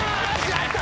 やった！